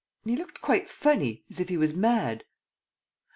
. he looked quite funny ... as if he was mad."